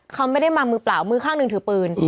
เขาไม่ได้มามือเปล่ามือข้างหนึ่งถือปืน